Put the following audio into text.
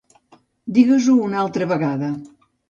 Digues-ho una altra vegada.